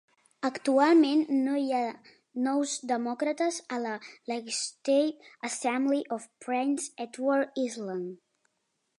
Actualment no hi ha nous demòcrates a la "Legislative Assembly of Prince Edward Island".